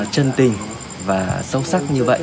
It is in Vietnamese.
chân tình và sâu sắc như vậy